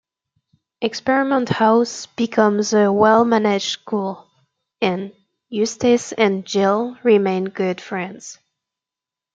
Experiment House becomes a well-managed school, and Eustace and Jill remain good friends.